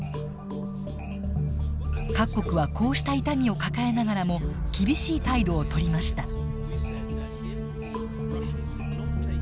各国はこうした痛みを抱えながらも厳しい態度をとりました。